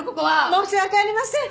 申し訳ありません。